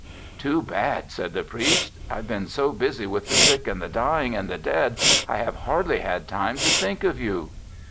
"Too bad!" said the priest. "I've been so busy with the sick and the dying and the dead I have hardly had time to think of you."